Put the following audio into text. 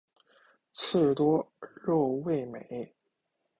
刺多肉味美。